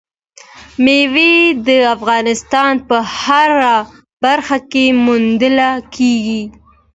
مېوې د افغانستان په هره برخه کې موندل کېږي.